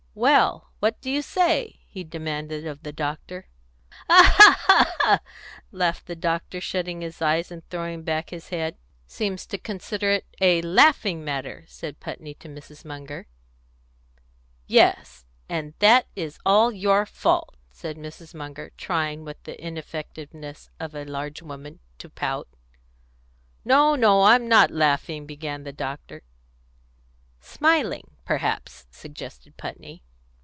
"Well, what do you say?" he demanded of the doctor. "Ha, ha, ha! ah, ha, ha." laughed the doctor, shutting his eyes and throwing back his head. "Seems to consider it a laughing matter," said Putney to Mrs. Munger. "Yes; and that is all your fault," said Mrs. Munger, trying, with the ineffectiveness of a large woman, to pout. "No, no, I'm not laughing." began the doctor. "Smiling, perhaps," suggested Putney.